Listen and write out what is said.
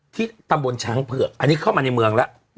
ที่ตำบลช้างเผือกอันนี้เข้ามาในเมืองแล้ว